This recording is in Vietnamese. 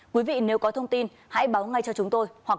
quý vị nếu có thông tin hãy báo ngay cho chúng tôi